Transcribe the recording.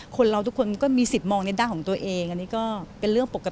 คนเราทุกคนก็มีสิทธิ์มองในด้านของตัวเองอันนี้ก็เป็นเรื่องปกติ